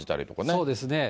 そうですね。